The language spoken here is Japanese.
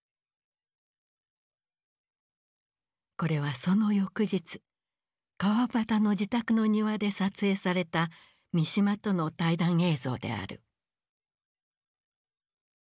これはその翌日川端の自宅の庭で撮影された三島との対談映像である。